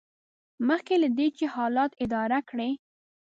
مخکې له دې چې حالات اداره کړئ.